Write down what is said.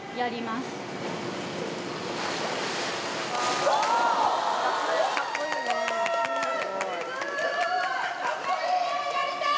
すごーい。